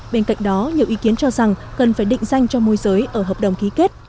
bên cạnh đó nhiều ý kiến cho rằng cần phải định danh cho môi giới ở hợp đồng ký kết